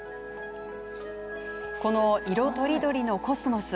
この色とりどりのコスモス。